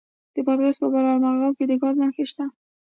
د بادغیس په بالامرغاب کې د ګاز نښې شته.